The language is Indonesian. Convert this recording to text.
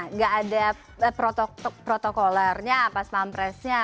nggak ada protokolernya apa stampresnya